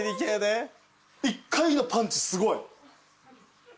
１回のパンチすごい。